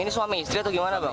ini suami istri atau gimana bang